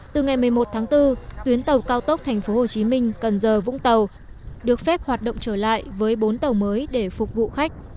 từ ngày một mươi một tháng bốn tuyến tàu cao tốc thành phố hồ chí minh cần giờ vũng tàu được phép hoạt động trở lại với bốn tàu mới để phục vụ khách